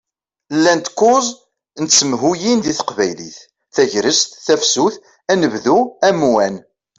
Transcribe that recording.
Llant kuẓ n tsemhuyin di teqbaylit: Tagrest, Tafsut, Anebdu, Amwan.